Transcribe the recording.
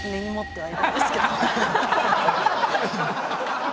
はい。